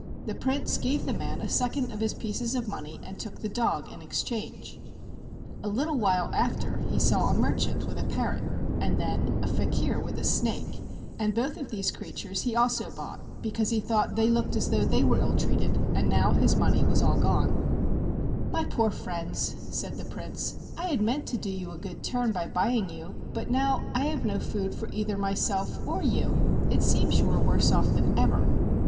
The Prince gave the man a second of his pieces of money and took the dog in exchange. A little while after he saw a merchant with a parrot, and then a faker with a snake, and both of these creatures he also bought because he thought they looked as though they were ill treated, and now all his money was gone. 3i THE WONDERFUL RING "My poor friends," said the Prince, "I had meant to do you a good turn by buying you, but now I have no food for either myself or you. It seems you are worse off than ever."